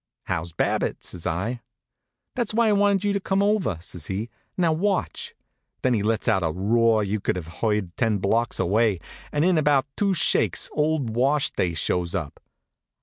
"How's Babbitt?" says I. "That's why I wanted you to come over," says he. "Now watch." Then he lets out a roar you could have heard ten blocks away, and in about two shakes old wash day shows up.